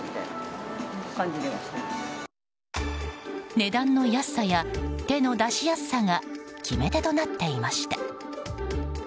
値段の安さや手の出しやすさが決め手となっていました。